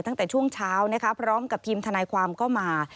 ตั้งแต่ช่วงเช้านะคะพร้อมกับทีมทนายความก็มา